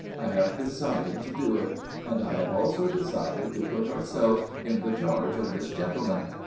"I have decided to do it. And I have also decided to put ourselves in the charge of this gentleman.